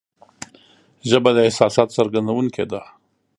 ژبه د احساساتو څرګندونکې ده